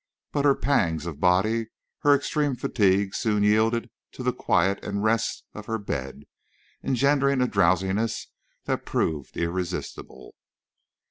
But her pangs of body, her extreme fatigue soon yielded to the quiet and rest of her bed, engendering a drowsiness that proved irresistible.